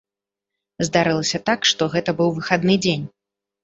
Здарылася так, што гэта быў выхадны дзень.